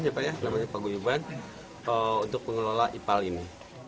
namanya kepaguyuban untuk mengelola ipal ini